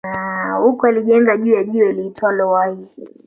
Huko alijenga juu ya jiwe liitwalo Wahi